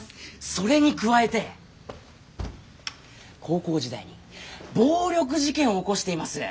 それに加えて高校時代に暴力事件を起こしています。